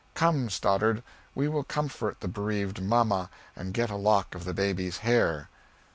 Come, Stoddard. We will comfort the bereaved mamma and get a lock of the baby's hair."